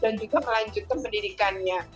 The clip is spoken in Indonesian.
dan juga melanjutkan pendidikannya